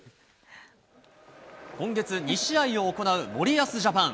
今月、２試合を行う森保ジャパン。